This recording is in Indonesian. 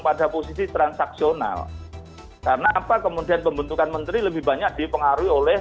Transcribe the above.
pada posisi transaksional karena apa kemudian pembentukan menteri lebih banyak dipengaruhi oleh